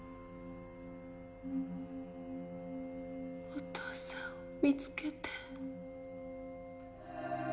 お父さんを見つけて。